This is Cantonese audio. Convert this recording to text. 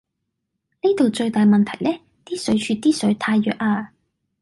呢度最大問題呢，啲水柱啲水太弱呀